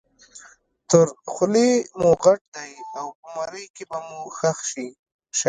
تر خولې مو غټ دی او په مرۍ کې به مو ښخ شي.